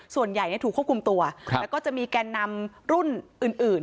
ส่วนใหญ่ถูกควบคุมตัวแล้วก็จะมีแกนนำรุ่นอื่น